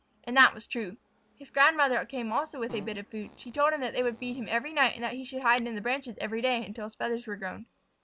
And that was true. His grandmother came also with a bit of food. She told him that they would feed him every night and that he should hide in the branches each day until his feathers were grown.